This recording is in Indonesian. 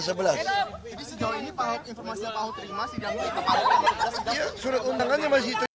jadi sejauh ini informasi yang tahu terima sidang ini